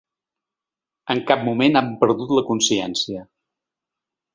En cap moment han perdut la consciència.